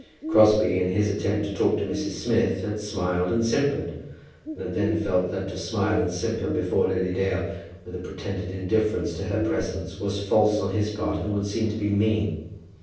Crosbie, in his attempt to talk to Mrs. Smith, had smiled and simpered, and had then felt that to smile and simper before Lily Dale, with a pretended indifference to her presence, was false on his part, and would seem to be mean.